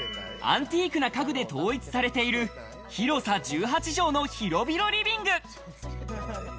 アンティークな家具で統一されている広さ１８帖の広々リビング。